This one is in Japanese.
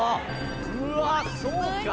うわそうか。